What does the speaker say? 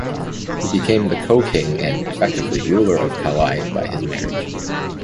He became the co-king and effectively ruler of Kauai by his marriage.